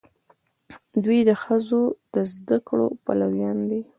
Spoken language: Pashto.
دوی د ښځو د زده کړې پلویان دي.